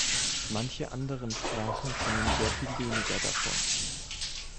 Manche anderen Sprachen kennen sehr viel weniger davon.